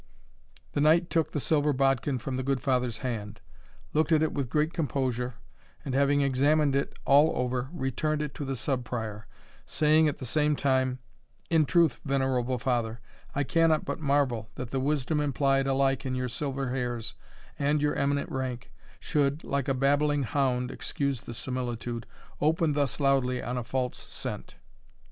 The knight took the silver bodkin from the good father's hand, looked at it with great composure, and, having examined it all over, returned it to the Sub Prior, saying at the same time, "In truth, venerable father, I cannot but marvel, that the wisdom implied alike in your silver hairs, and in your eminent rank, should, like a babbling hound, (excuse the similitude,) open thus loudly on a false scent.